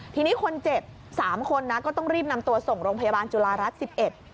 ทีนี้คนเจ็บสามคนนะก็ต้องรีบนำตัวส่งโรงพยาบาลจุฬารัฐสิบเอ็ด